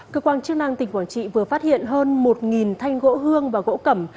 cơ quan chức năng tỉnh quảng trị vừa phát hiện hơn một thanh gỗ hương và gỗ cẩm